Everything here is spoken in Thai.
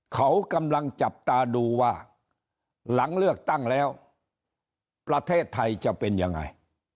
เขากำลังจับตาดูว่าหลังเลือกตั้งแล้วประเทศไทยจะเป็นยังไง